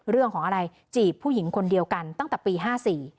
เรื่องของอะไรจีบผู้หญิงคนเดียวกันตั้งแต่ปีห้าสี่